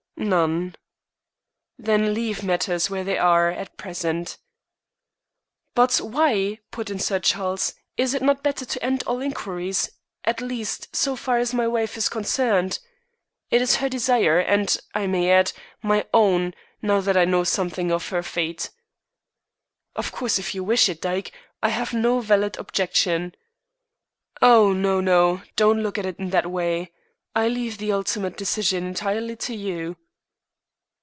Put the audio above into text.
"None." "Then leave matters where they are at present." "But why," put in Sir Charles. "Is it not better to end all inquiries, at least so far as my wife is concerned? It is her desire, and, I may add, my own, now that I know something of her fate." "Of course, if you wish it, Dyke, I have no valid objection." "Oh, no, no. Do not look at it in that way. I leave the ultimate decision entirely to you."